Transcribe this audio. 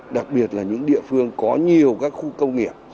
đặc biệt là những địa phương có nhiều các khu công nghiệp